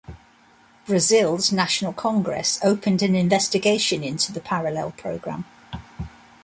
Brazil's National Congress opened an investigation into the Parallel Program.